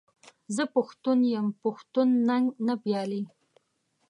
زه پښتون یم پښتون ننګ نه بایلي.